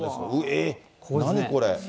えー、何これ。